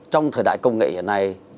trong thời đại công nghệ hiện nay